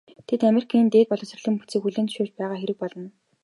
Тэд Америкийн дээд боловсролын бүтцийг хүлээн зөвшөөрч байгаа хэрэг болно.